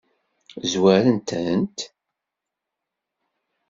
Zwaren-tent?